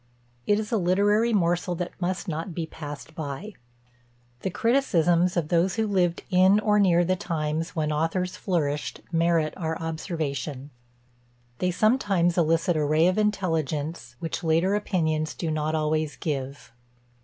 It is a literary morsel that must not be passed by. The criticisms of those who lived in or near the times when authors flourished merit our observation. They sometimes elicit a ray of intelligence, which later opinions do not always give.